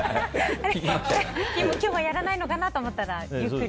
今日はやらないのかなと思ったら、ゆっくり。